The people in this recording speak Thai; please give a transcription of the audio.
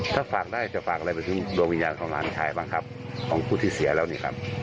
ถ้าฝากได้จะฝากอะไรไปถึงดวงวิญญาณของหลานชายบ้างครับของผู้ที่เสียแล้วนี่ครับ